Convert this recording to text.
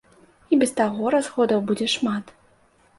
І без таго расходаў будзе шмат.